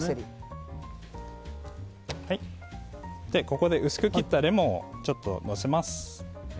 ここで薄く切ったレモンをのせます。